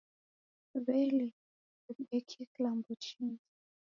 W'ele ndemdekie kilambo chingi?